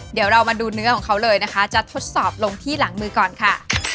เดี๋ยวเรามาดูเนื้อของเขาเลยนะคะจะทดสอบลงที่หลังมือก่อนค่ะ